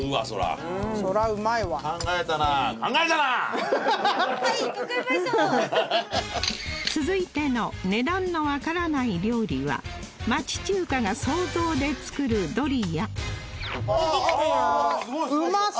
考えたな続いての値段のわからない料理は町中華が想像で作るドリアはいできたよ